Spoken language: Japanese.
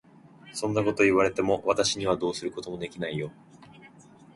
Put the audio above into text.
そんなことを言われても、私にはどうすることもできないよ。